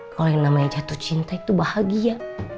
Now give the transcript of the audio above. kalau yang namanya jatuh cinta itu bahagia